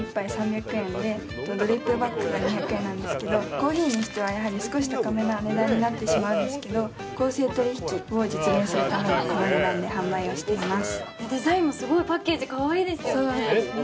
コーヒーにしては少し高めな値段になってしまうんですけど、公正取引を実現するため、この値段で販売しています。